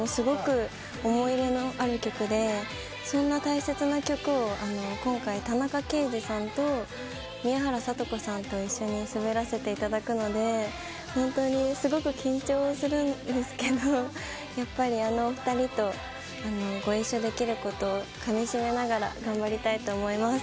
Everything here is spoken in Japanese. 乃木坂にとってもすごく思い入れのある曲でそんな大切な曲を今回、田中刑事さんと宮原知子さんと一緒に滑らせていただくので本当にすごく緊張するんですけどやっぱり、あのお二人とご一緒できることかみしめながら頑張りたいと思います。